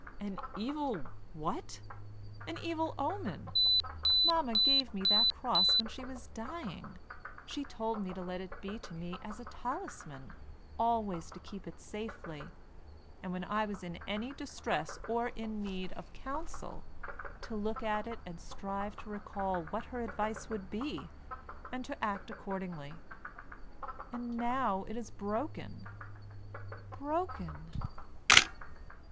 "An evil what?" "An evil omen. Mamma gave me that cross when she was dying. She told me to let it be to me as a talisman, always to keep it safely; and when I was in any distress, or in need of counsel, to look at it and strive to recall what her advice would be, and to act accordingly. And now it is broken broken!"